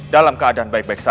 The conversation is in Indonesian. dalam keadaan baik baik saja